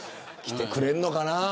来てくれるかな。